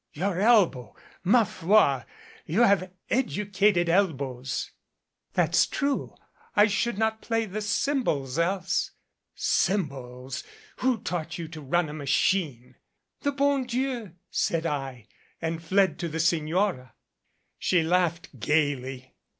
" 'Your elbow ! Ma foi, you have educated elbows !'" 'That's true, I should not play the cymbals else.' " 'Cymbals ! Who taught you to run a machine ?'" 'The bon Dieu!' said I, and fled to the Signora." She laughed gaily.